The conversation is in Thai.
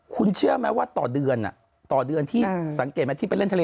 คุณเชื่อไหมว่าต่อเดือนต่อเดือนที่สังเกตไหมที่ไปเล่นทะเล